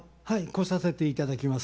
来させていただきます。